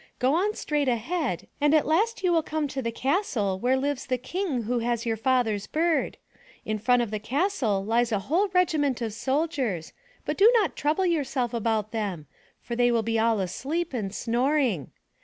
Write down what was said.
Go on straight ahead and at last you will come to the castle where lives the King who has your father's bird. In front of the castle lies a whole regiment of soldiers but do not trouble yourself about them, for they will all be asleep and snoring.